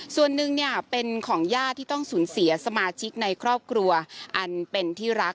ส่วนหนึ่งเนี่ยเป็นของญาติที่ต้องสูญเสียสมาชิกในครอบครัวอันเป็นที่รัก